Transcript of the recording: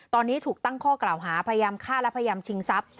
ตอนนี้ถูกตั้งข้อกล่าวหาพยายามฆ่าและพยายามชิงทรัพย